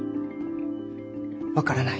分からない。